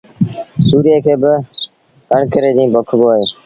تُوريئي کي با ڪڻڪ ري جيٚن پوکبو اهي